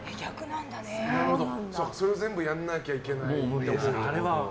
それを全部やらなきゃいけないってこと。